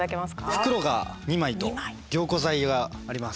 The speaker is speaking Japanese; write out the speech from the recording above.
袋が２枚と凝固剤があります。